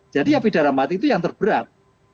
jadi pidara mati itu yang terberat